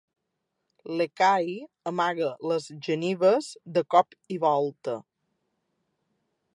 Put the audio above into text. L'Ekahi amaga les genives de cop i volta.